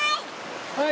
はい！